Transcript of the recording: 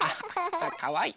かわいい。